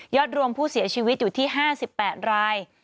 รวมผู้เสียชีวิตอยู่ที่๕๘ราย